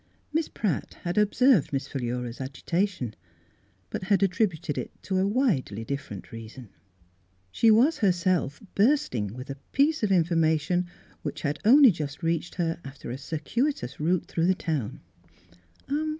Miss Pratt had observed Miss Philura's agitation, but had attributed it to a widely different reason. She was herself bursting with a piece of information, which had only just Miss Fhilura's Wedding Gown reached her after a circuitous route through the town.